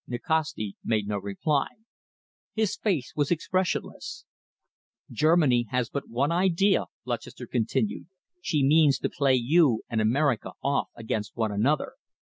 Nikasti made no reply. His face was expressionless. "Germany has but one idea," Lutchester continued. "She means to play you and America off against one another.